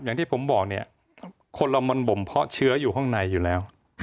อย่างที่ผมบอกเนี่ยคนเรามันบ่มเพาะเชื้ออยู่ข้างในอยู่แล้ว